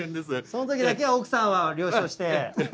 その時だけは奥さんは了承して。